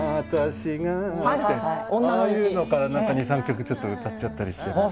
ああいうのから何か２３曲ちょっと歌っちゃったりしてます。